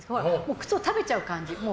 靴を食べちゃう感じ。